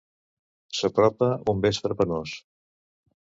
S'apropa un vespre penós.